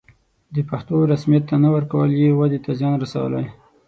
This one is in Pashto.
د پښتو رسميت ته نه ورکول یې ودې ته زیان رسولی.